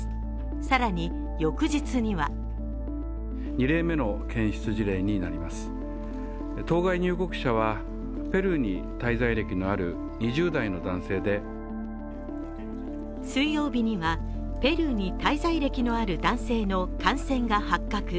更に翌日には水曜日にはペルーに滞在歴のある男性の感染が発覚。